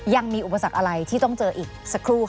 ยังมีอุปสรรคอะไรที่ต้องเจออีกสักครู่ค่ะ